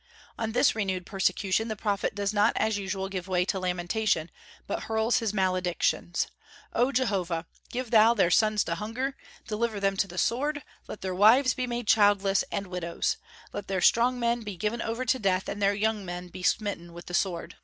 On this renewed persecution the prophet does not as usual give way to lamentation, but hurls his maledictions. "O Jehovah! give thou their sons to hunger, deliver them to the sword; let their wives be made childless and widows; let their strong men be given over to death, and their young men be smitten with the sword."